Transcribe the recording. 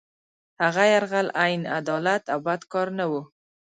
هغه یرغل عین عدالت او بد کار نه وو.